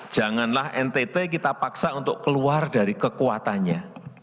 janganlah ntt kita paksa untuk keluar dari kekuatannya